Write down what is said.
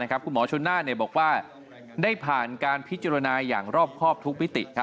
คุณหมอชนน่านบอกว่าได้ผ่านการพิจารณาอย่างรอบครอบทุกมิติ